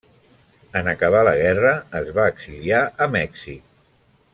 En acabar la guerra es va exiliar a Mèxic.